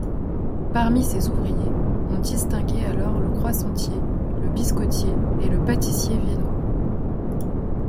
Parmi ces ouvriers, on distinguait alors le croissantier, le biscottier et le pâtissier-viennois.